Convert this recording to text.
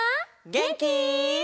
げんき？